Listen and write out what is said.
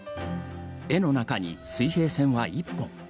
絵の中に水平線は１本。